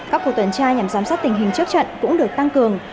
các cụ tuần trai nhằm giám sát tình hình trước trận cũng được tăng cường